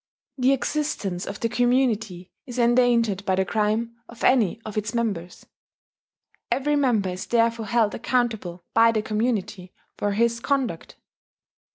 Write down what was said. The existence of the community is endangered by the crime of any of its members: every member is therefore held accountable by the community for his conduct.